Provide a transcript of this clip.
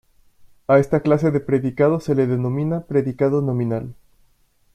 A esta clase de predicado se le denomina predicado nominal.